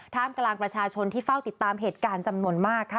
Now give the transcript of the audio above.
กำลังประชาชนที่เฝ้าติดตามเหตุการณ์จำนวนมากค่ะ